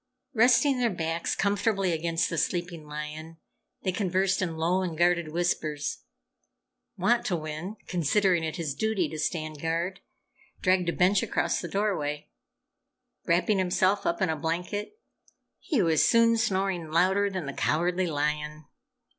Resting their backs comfortably against the sleeping lion, they conversed in low and guarded whispers. Wantowin, considering it his duty to stand guard, dragged a bench across the doorway. Wrapping himself up in a blanket, he was soon snoring louder than the Cowardly Lion.